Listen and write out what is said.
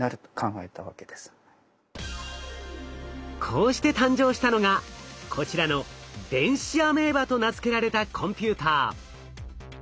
こうして誕生したのがこちらの「電子アメーバ」と名付けられたコンピューター。